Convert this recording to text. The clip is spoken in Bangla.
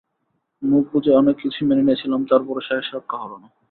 মুখ বুঝে অনেক কিছুই মেনে নিয়েছিলাম তারপরও শেষ রক্ষা হলো না।